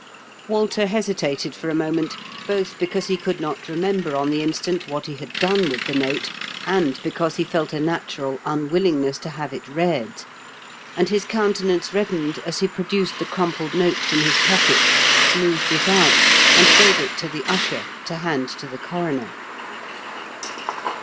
Walter hesitated, for a moment, both be cause he could not remember on the instant what he had done with the note, and because he felt a natural unwillingness to have it read ; and his countenance reddened as he produced the crumpled note from his pocket, smoothed it out, and gave it to the usher to hand to the coroner.